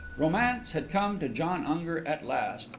Romance had come to John Unger at last.